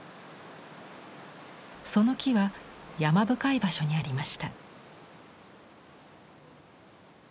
その木は山深い場所にありました。